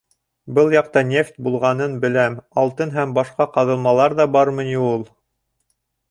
Был яҡта нефть булғанын беләм, алтын һәм башҡа ҡаҙылмалар ҙа бармы ни ул?